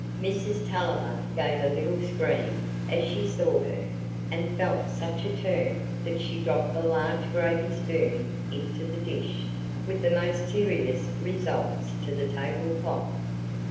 Mrs Tulliver gave a little scream as she saw her, and felt such a "turn" that she dropped the large gravy spoon into the dish, with the most serious results to the table cloth.